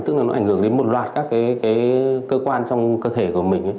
tức là nó ảnh hưởng đến một loạt các cái cơ quan trong cơ thể của mình